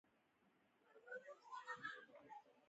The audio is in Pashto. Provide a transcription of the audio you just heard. سخوندر د غوا له غولانځې پی رودلي دي